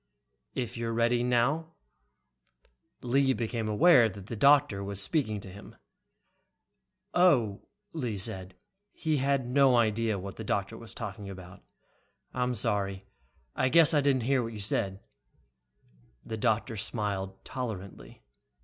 "... If you're ready now." Lee became aware the doctor was speaking to him. "Oh," Lee said. He had no idea what the doctor was talking about. "I'm sorry, I guess I didn't hear what you said " The doctor smiled tolerantly.